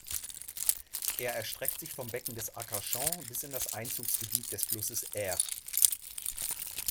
Er erstreckt sich vom Becken von Arcachon bis in das Einzugsgebiet des Flusses Eyre.